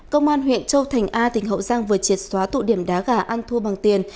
công an huyện châu thành a tỉnh hậu giang vừa triệt xóa tụ điểm đá gà ăn thua bằng tiền